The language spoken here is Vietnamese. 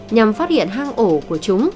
nhằm phát hiện hang ổ của chúng